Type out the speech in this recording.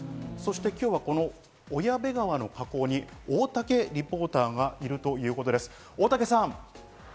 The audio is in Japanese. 今日は小矢部川の河口に大竹リポーターがいるということです。